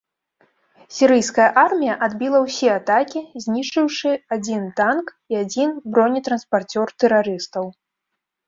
Сірыйская армія адбіла ўсе атакі, знішчыўшы адзін танк і адзін бронетранспарцёр тэрарыстаў.